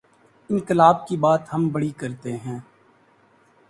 انقلا ب کی بات ہم بڑی کرتے ہیں۔